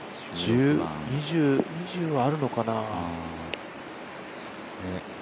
２０はあるのかな。